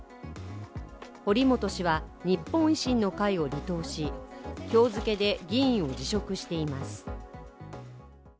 堀本氏は日本維新の会を離党し、今日付で議員を辞職しています。